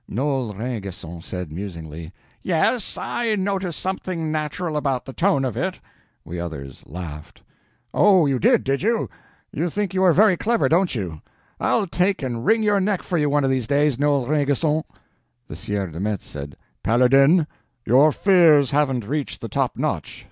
Noel Rainguesson said, musingly: "Yes, I noticed something natural about the tone of it." We others laughed. "Oh, you did, did you? You think you are very clever, don't you? I'll take and wring your neck for you one of these days, Noel Rainguesson." The Sieur de Metz said: "Paladin, your fears haven't reached the top notch.